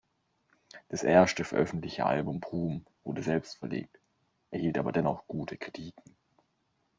Das erste veröffentlichte Album "Broom" wurde selbst verlegt, erhielt aber dennoch gute Kritiken.